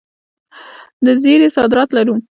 د زیرې صادرات لرو؟